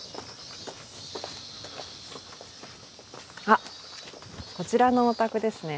あこちらのお宅ですね。